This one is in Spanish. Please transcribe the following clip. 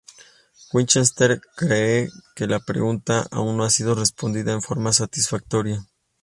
Winchester cree que la pregunta "aún no ha sido respondida en forma satisfactoria".